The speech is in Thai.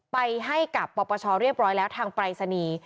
ไปให้กับปปชเรียบร้อยแล้วทางปรายศนีย์